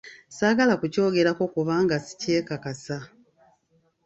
Saagala kukyogerako kubanga sikyekakasa.